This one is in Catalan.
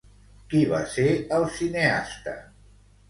Qui va ser el cineasta?